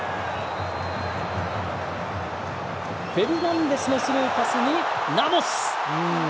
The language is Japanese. フェルナンデスのスルーパスにラモス！